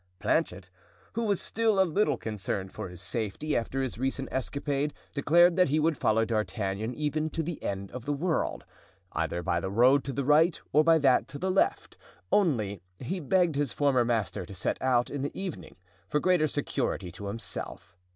Planchet, who was still a little concerned for his safety after his recent escapade, declared that he would follow D'Artagnan even to the end of the world, either by the road to the right or by that to the left; only he begged his former master to set out in the evening, for greater security to himself.